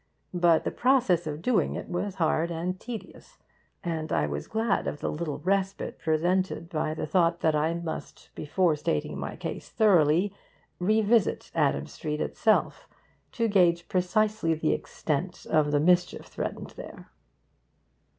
But the process of doing it was hard and tedious, and I was glad of the little respite presented by the thought that I must, before stating my case thoroughly, revisit Adam Street itself, to gauge precisely the extent of the mischief threatened there.